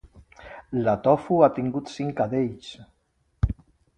La Tofu ha tingut cinc cadells